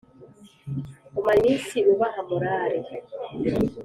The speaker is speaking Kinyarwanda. Umara iminsi ubaha morale